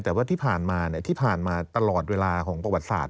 แต่ว่าที่ผ่านมาที่ผ่านมาตลอดเวลาของประวัติศาสต